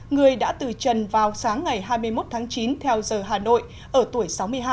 người đã từ trần vào sáng ngày hai mươi một tháng chín theo giờ hà nội ở tuổi sáu mươi hai